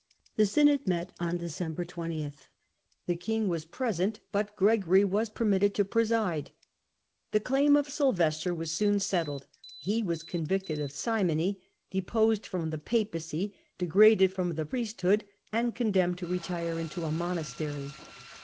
The synod met on December 20. The king was pre sent, but Gregory was permitted to preside. The daim Synod at of Syl vcstor was soon settled ; he was convicted 1W6 of simony, deposed from the Papacy, degraded from the priesthood, and condemned to retire into a monastery.